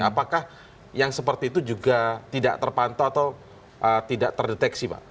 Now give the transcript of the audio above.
apakah yang seperti itu juga tidak terpantau atau tidak terdeteksi pak